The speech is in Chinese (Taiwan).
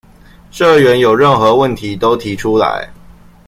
社員有任何問題都提出來